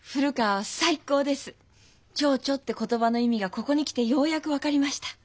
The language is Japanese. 情緒って言葉の意味がここに来てようやく分かりました。